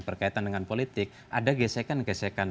berkaitan dengan politik ada gesekan gesekan